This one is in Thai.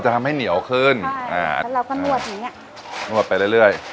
ทำให้เหนียวขึ้นอ่าแล้วเราก็นวดอย่างเงี้ยนวดไปเรื่อยเรื่อย